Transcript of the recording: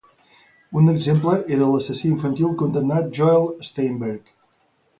Un exemple era l'assassí infantil condemnat Joel Steinberg.